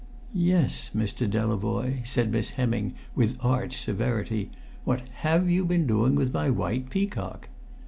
"Yes, Mr. Delavoye!" said Miss Hemming with arch severity. "What have you been doing with my white peacock?"